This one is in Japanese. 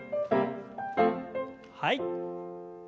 はい。